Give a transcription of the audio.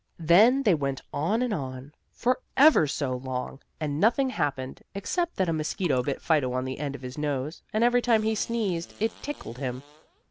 Then they went on and on, for ever so long, and nothing happened, except that a mosquito bit Fido on the end of his nose, and every time he sneezed it tickled him.